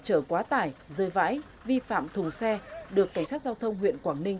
chở quá tải rơi vãi vi phạm thùng xe được cảnh sát giao thông huyện quảng ninh